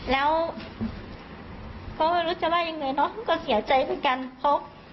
แล้วเพราะว่ารู้จักว่ายังไงเนอะก็เสียใจเหมือนกันเพราะ